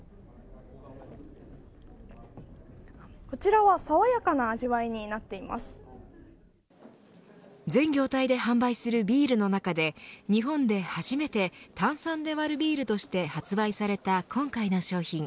こちらは爽やかな味わいになっていま全業態で販売するビールの中で日本で初めて炭酸で割るビールとして発売された今回の商品。